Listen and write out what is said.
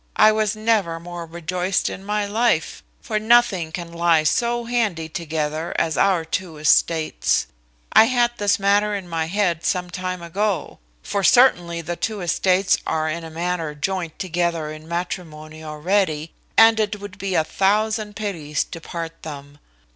I was never more rejoiced in my life; for nothing can lie so handy together as our two estates. I had this matter in my head some time ago: for certainly the two estates are in a manner joined together in matrimony already, and it would be a thousand pities to part them.